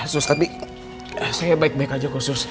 sus tapi saya baik baik aja kok sus